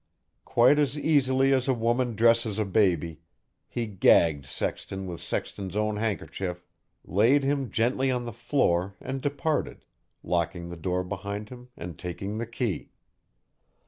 Quite as easily as a woman dresses a baby, he gagged Sexton with Sexton's own handkerchief, laid him gently on the floor and departed, locking the door behind him and taking the key.